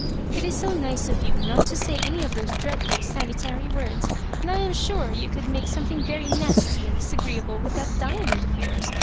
"It is so nice of you not to say any of those dreadful sanitary words — and I am sure you ceuld make something .yery nasty and disagreea ble with that diamond of yours.